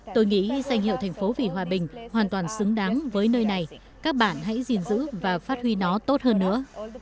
tôi nghĩ danh hiệu thành phố vì hòa bình hoàn toàn xứng đáng với nơi này các bạn hãy gìn giữ và phát huy nó tốt hơn nữa